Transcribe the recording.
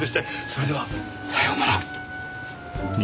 それではさようなら。